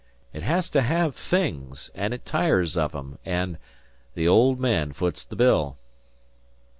It has to have things, and it tires of 'em, and the old man foots the bill."